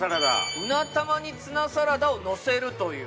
うな玉にツナサラダをのせるという。